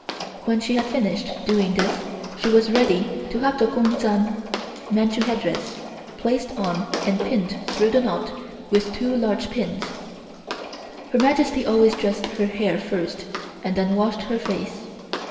When she had finished doing this, she was ready to have the Gu'un Dzan (Manchu headdress) placed on and pinned through the knot with two large pins. Her Majesty always dressed her hair first and then washed her face.